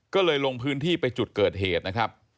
ก็เลยลงพื้นที่ไปจุดเกิดเหตุนะครับ